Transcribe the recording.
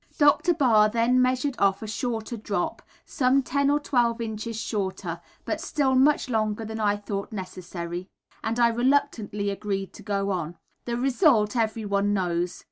Dr. Barr then measured off a shorter drop, some ten or twelve inches shorter, but still much longer than I thought necessary, and I reluctantly agreed to go on. The result, everyone knows.